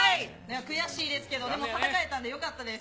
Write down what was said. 悔しいですけど、でも戦えたんでよかったです。